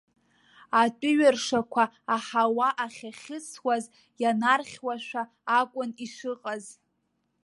Атәыҩа ршақәа аҳауа ахьахьысуаз ианархьуашәа акәын ишыҟаз.